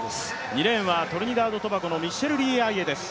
２レーンはトリニダード・トバゴのミッシェルリー・アイエです。